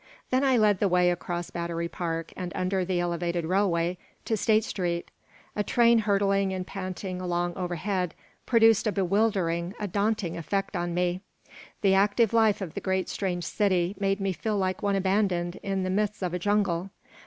Then I led the way across Battery Park and under the Elevated railway to State Street. A train hurtling and panting along overhead produced a bewildering, a daunting effect on me. The active life of the great strange city made me feel like one abandoned in the midst of a jungle.